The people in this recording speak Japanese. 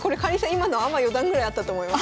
今のアマ四段ぐらいあったと思います。